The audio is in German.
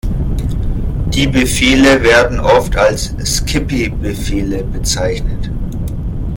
Die Befehle werden oft als „skippy“-Befehle bezeichnet.